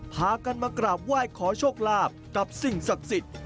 พากันมากราบไหว้ขอโชคลาภกับสิ่งศักดิ์สิทธิ์